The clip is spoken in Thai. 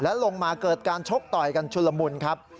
และลงมาเกิดการชกต่อยกันชุลมุนครับ